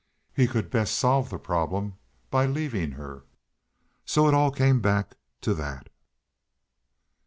He could best solve the problem by leaving her. So it all came back to that.